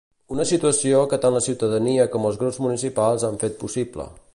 Una situació que tant la ciutadania com els grups municipals han fet possible.